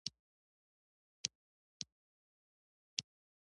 • ژړا د غمونو د لرې کولو لاره ده.